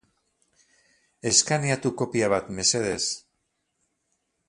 Eskaneatu kopia bat, mesedez.